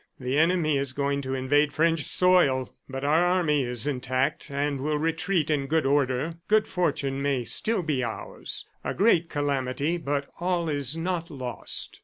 The enemy is going to invade French soil! ... But our army is intact, and will retreat in good order. Good fortune may still be ours. A great calamity, but all is not lost."